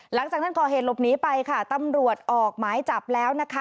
หลังจากที่ก่อเหตุหลบหนีไปค่ะตำรวจออกหมายจับแล้วนะคะ